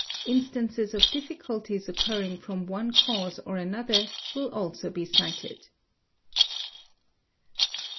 Instances of difficulties occurring from one cause or another will also be cited.